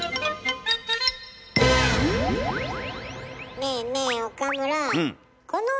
ねえねえ岡村。